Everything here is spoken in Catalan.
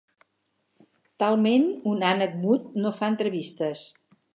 Talment un ànec mut, no fa entrevistes.